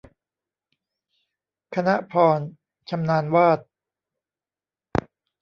คณภรณ์ ชำนาญวาด